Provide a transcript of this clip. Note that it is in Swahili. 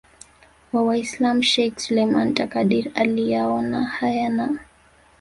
wa Waislam Sheikh Suleiman Takadir aliyaona haya na